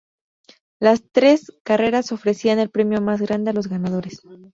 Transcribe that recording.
Las tres carreras ofrecían el premio más grande a los ganadores.